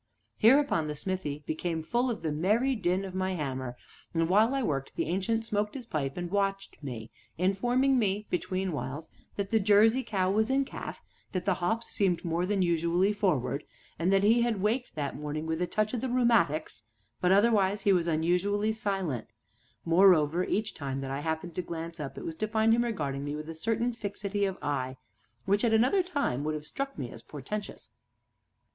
Hereupon the smithy became full of the merry din of my hammer, and while I worked the Ancient smoked his pipe and watched me, informing me, between whiles, that the Jersey cow was "in calf," that the hops seemed more than usually forward, and that he had waked that morning with a "touch o' the rheumatics," but, otherwise, he was unusually silent; moreover, each time that I happened to glance up, it was to find him regarding me with a certain fixity of eye, which at another time would have struck me as portentous.